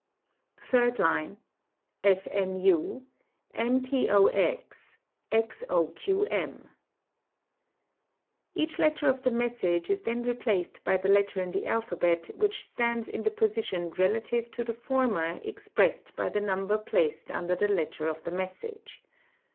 Gas fmu mpox xoqm ' Kach letter of the message is then replaced by the letter in the alpha et which stands in the position relative to the former expressed by the_ lumber placed under the letter of the message.